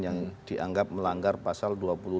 yang dianggap melanggar pasal dua ratus delapan puluh